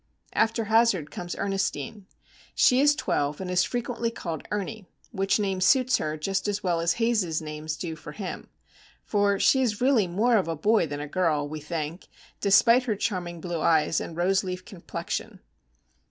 After Hazard comes Ernestine. She is twelve, and is frequently called Ernie,—which name suits her just as well as Haze's names do him; for she is really more of a boy than a girl, we think, despite her charming blue eyes and rose leaf complexion.